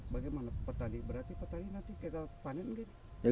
bagaimana petani berarti petani nanti gagal panen